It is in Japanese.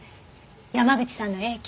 山口さんの影響？